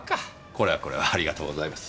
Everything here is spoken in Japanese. これはこれはありがとうございます。